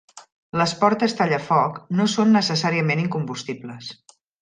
Les portes tallafoc no són necessàriament incombustibles.